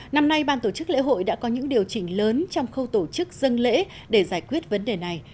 năm nay ban tổ chức lễ hội đã có những điều chỉnh lớn trong khâu tổ chức dân lễ để giải quyết vấn đề này